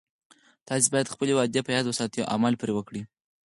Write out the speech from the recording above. تاسې باید خپلې وعدې په یاد وساتئ او عمل پری وکړئ